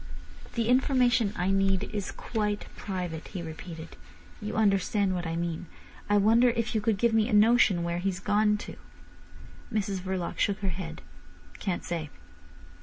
"The information I need is quite private," he repeated. "You understand what I mean? I wonder if you could give me a notion where he's gone to?" Mrs Verloc shook her head. "Can't say."